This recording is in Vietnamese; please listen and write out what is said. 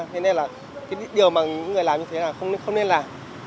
thế nên là điều mà những người làm như thế là không nên làm